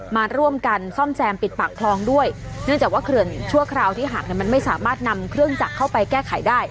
มาร่วมกันซ่อมแซมปิดปากคลองด้วยเนื่องจากว่าเขื่อนชั่วคราวที่หักเนี่ยมันไม่สามารถนำเครื่องจักรเข้าไปแก้ไขได้